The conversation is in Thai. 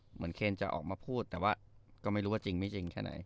เหมือนเคนจะออกมาพูดแต่ว่าก็ไม่รู้ว่าจริงแค่ไหน